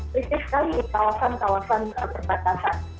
terlalu banyak kawasan kawasan berbatasan